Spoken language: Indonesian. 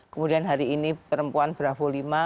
kemudian hari ini perempuan bravo lima